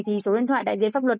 thì số điện thoại đại diện pháp luật